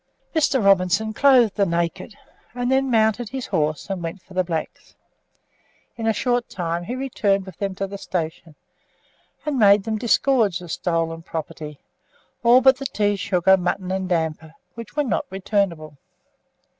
Mr. Robinson clothed the naked, and then mounted his horse and went for the blacks. In a short time he returned with them to the station, and made them disgorge the stolen property, all but the tea, sugar, mutton, and damper, which were not returnable.